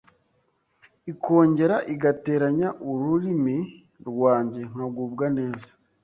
ikongera igateranya ururimi rwanjye nkagubwa neza